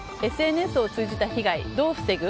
ＳＮＳを通じた被害どう防ぐ？